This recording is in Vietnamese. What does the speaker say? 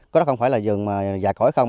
có đó không phải là vườn dạ cõi không